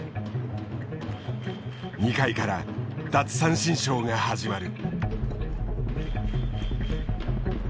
２回から奪三振ショーが始まる。